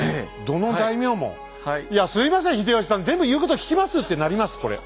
どの大名も「いやすいません秀吉さん全部言うこと聞きます」ってなりますこれ。